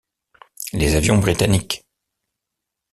Les avions britanniques.